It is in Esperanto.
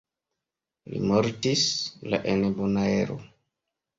Li mortis la en Bonaero.